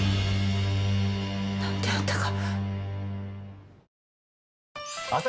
何であんたが？